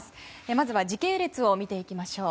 まずは時系列を見ていきましょう。